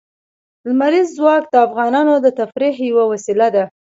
لمریز ځواک د افغانانو د تفریح یوه وسیله ده.